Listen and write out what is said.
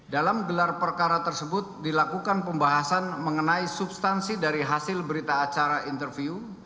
dalam gelar perkara tersebut dilakukan pembahasan mengenai substansi dari hasil berita acara interview